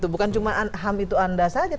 bukan cuma ham itu anda saja